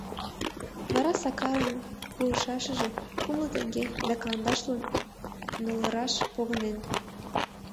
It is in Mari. Вара Сакарын пуышашыже кумло теҥге, да кандашлу ныллыраш погынен.